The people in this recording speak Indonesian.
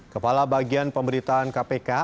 kepala bagian pemberitaan kpk